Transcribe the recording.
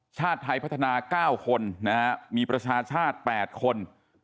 ชาติไทยพัฒนาเก้าคนนะฮะมีประชาชาติแปดคน